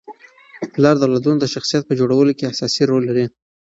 پلار د اولادونو د شخصیت په جوړولو کي اساسي رول لري.